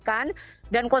ini sedang kita siapkan